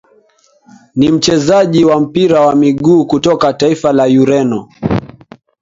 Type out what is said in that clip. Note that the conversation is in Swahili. Ni mchezaji wa mpira wa miguu kutoka taifa la Ureno